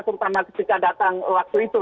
terutama ketika datang waktu itu